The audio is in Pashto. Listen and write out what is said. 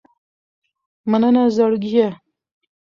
مننه زړګیه